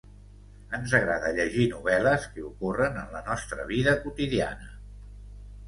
Ens agrada llegir novel·les que ocorren en la nostra vida quotidiana.